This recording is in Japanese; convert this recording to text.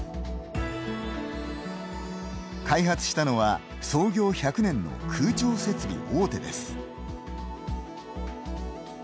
開発したのは、創業１００年の空調設備大手です。